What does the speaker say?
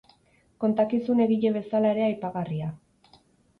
Kontakizun egile bezala ere aipagarria.